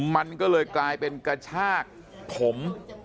มันก็เลยกลายเป็นกระชากผม